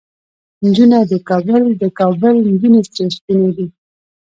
نجونه د کابل، د کابل نجونه سرې او سپينې دي